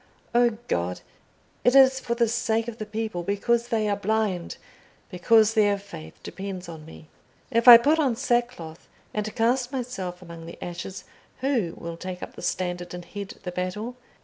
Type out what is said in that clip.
"O God, it is for the sake of the people—because they are blind—because their faith depends on me. If I put on sackcloth and cast myself among the ashes, who will take up the standard and head the battle?